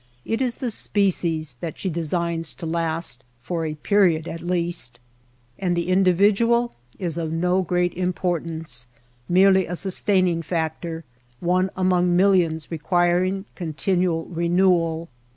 It is the species that she designs to last, for a period at least ; and the individual is of no great importance, merely a sustaining factor, one among millions requiring continual renewal.